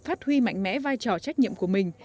phát huy mạnh mẽ vai trò trách nhiệm của mình